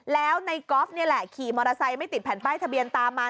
แล้วในกอล์ฟนี่แหละขี่มอเตอร์ไซค์ไม่ติดแผ่นป้ายทะเบียนตามมา